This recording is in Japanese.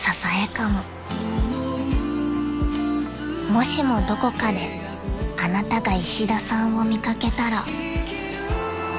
［もしもどこかであなたが石田さんを見掛けたら］